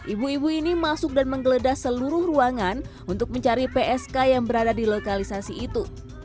ibu ibu ini masuk dan menggeledah seluruh ruangan untuk mencari psk yang berada di lokalisasi itu